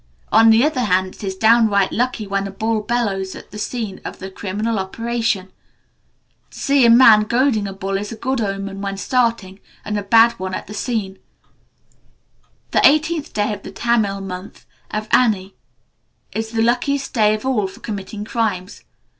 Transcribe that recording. On the other hand, it is downright lucky when a bull bellows at the scene of the criminal operation. To see a man goading a bull is a good omen when starting, and a bad one at the scene. The eighteenth day of the Tamil month, Avani, is the luckiest day of all for committing crimes.